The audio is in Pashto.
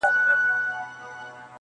زما د فكر د ائينې شاعره .